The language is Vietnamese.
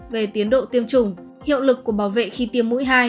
về tiến độ tiêm chủng hiệu lực của bảo vệ khi tiêm mũi hai